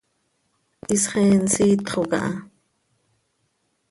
Isxeen siitxo caha.